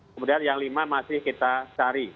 kemudian yang lima masih kita cari